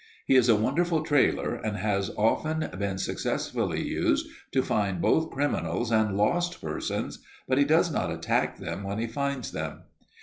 He is a wonderful trailer and has often been successfully used to find both criminals and lost persons, but he does not attack them when he finds them.